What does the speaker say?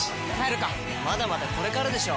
まだまだこれからでしょ！